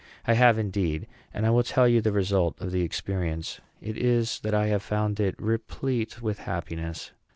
I have, indeed; and I will tell you the result of this experience. It is, that I have found it replete with happiness.